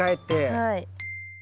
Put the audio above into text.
はい。